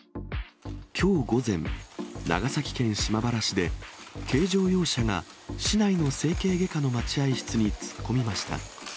きょう午前、長崎県島原市で、軽乗用車が市内の整形外科の待合室に突っ込みました。